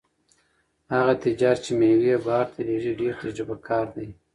هغه تجار چې مېوې بهر ته لېږي ډېر تجربه کار دی.